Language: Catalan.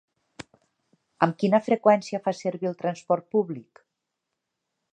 Amb quina freqüència fa servir el transport públic?